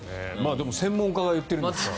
でも専門家が言ってるんですから。